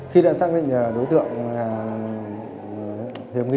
khi đã xác định đối tượng hiểm nghi trong chuyên án này